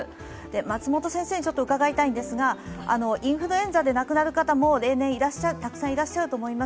松本先生に伺いたいんですが、インフルエンザで亡くなる方も例年たくさんいらっしゃると思います。